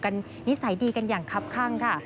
นิสัยดีกันอย่างคับข้างค่ะ